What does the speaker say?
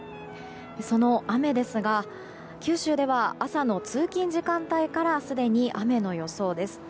その雨ですが九州では朝の通勤時間帯からすでに雨の予想です。